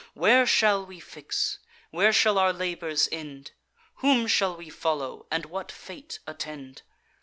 Where shall we fix? where shall our labours end? Whom shall we follow, and what fate attend?